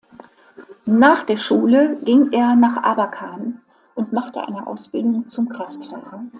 Nach der Schule ging er nach Abakan und machte eine Ausbildung zum Kraftfahrer.